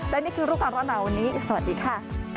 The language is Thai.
และนี่คือรูปการณ์หนาวันนี้สวัสดีค่ะ